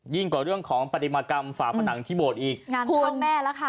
กว่าเรื่องของปฏิมากรรมฝาผนังที่โบสถ์อีกงานท่วมแม่แล้วค่ะ